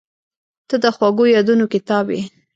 • ته د خوږو یادونو کتاب یې.